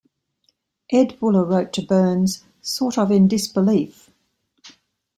Ed Buller wrote to Burns, "sort of in disbelief".